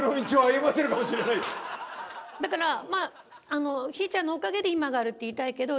だからひーちゃんのおかげで今があるって言いたいけど。